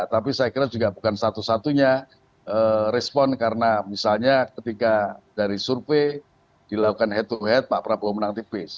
tapi saya kira juga bukan satu satunya respon karena misalnya ketika dari survei dilakukan head to head pak prabowo menang tipis